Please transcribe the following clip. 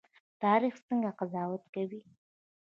تاریخ څنګه قضاوت کوي؟